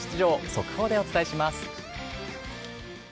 速報でお伝えします。